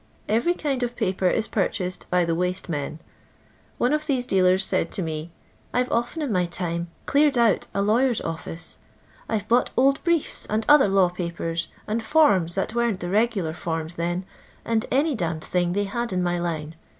Every kind of paper is purehaeed by the " waste men." One of these dealers said to me : "I We often in my time 'cleared out ' a lawyer's oiBce. I've bought old briefs, and other law papers, and ' forms * that weren't the regular forms then, and any d d thing they had in my line.